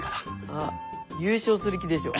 あっ優勝する気でしょ。